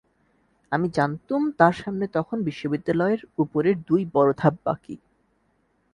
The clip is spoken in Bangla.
আমি জানতুম তাঁর সামনে তখন বিশ্ববিদ্যালয়ের উপরের দুই বড়ো ধাপ বাকি।